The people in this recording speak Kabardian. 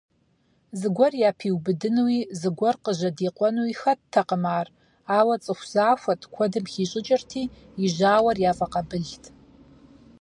Зыгуэр япиубыдынуи, зыгуэр къыжьэдикъуэнуи хэттэкъым ар, ауэ цӀыху захуэт, куэдым хищӀыкӀырти, и жьауэр яфӀэкъабылт.